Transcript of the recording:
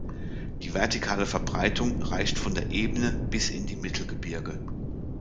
Die vertikale Verbreitung reicht von der Ebene bis in die Mittelgebirge.